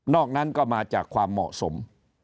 อกนั้นก็มาจากความเหมาะสม